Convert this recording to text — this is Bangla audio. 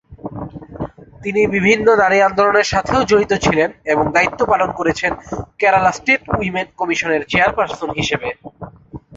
তিনি বিভিন্ন নারী আন্দোলনের সাথেও জড়িত ছিলেন এবং দায়িত্ব পালন করেছেন কেরালা স্টেট উইমেন কমিশনের চেয়ারপার্সন হিসেবে।